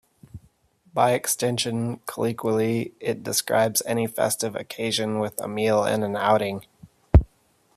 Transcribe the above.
By extension, colloquially, it describes any festive occasion with a meal and an outing.